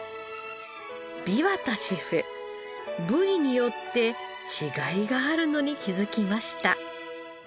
枇杷田シェフ部位によって違いがあるのに気づきました。